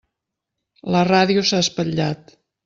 La ràdio s'ha espatllat.